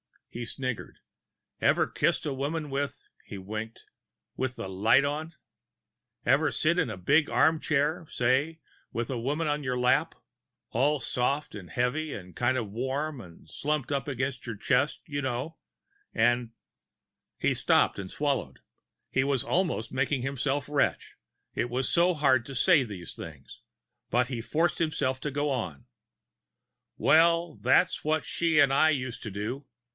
He sniggered. "Ever kiss a woman with " he winked "with the light on? Ever sit in a big armchair, say, with a woman in your lap all soft and heavy, and kind of warm, and slumped up against your chest, you know, and " He stopped and swallowed. He was almost making himself retch, it was so hard to say these things. But he forced himself to go on: "Well, that's what she and I used to do.